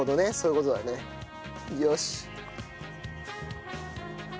よし。